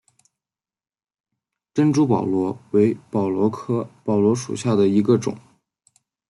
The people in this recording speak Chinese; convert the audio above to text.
珍珠宝螺为宝螺科宝螺属下的一个种。